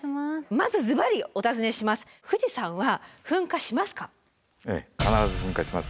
まずズバリお尋ねします。